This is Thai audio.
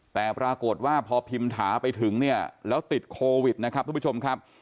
แต่ปรากฏว่าพอปริมพ์ฐาไปถึงก็ติดโควิดค่ะ